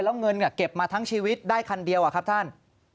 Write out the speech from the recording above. แล้วเงินเก็บมาทั้งชีวิตได้คันเดียวอะครับท่าน